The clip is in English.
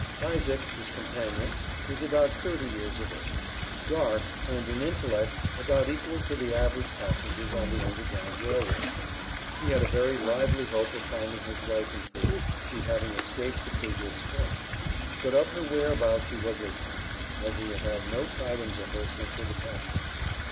Isaac, his companion, was about thirty years of age, dark, and in intellect about equal to the average passengers on the Underground Rail Road. He had a very lively hope of finding his wife in freedom, she having escaped the previous Spring; but of her whereabouts he was ignorant, as he had had no tidings of her since her departure.